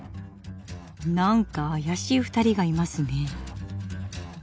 何かあやしい２人がいますね。